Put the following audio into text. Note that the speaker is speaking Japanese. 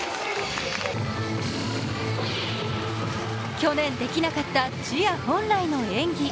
去年できなかったチア本来の演技。